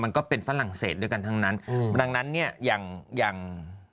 มันก็เป็นฝรั่งเศสด้วยกันทั้งนั้นดังนั้นเนี่ยอย่าง